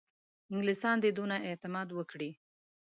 انګلیسیان دي دونه اعتماد وکړي.